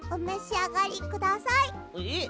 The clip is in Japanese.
えっ？